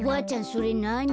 それなに？